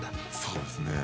そうですね。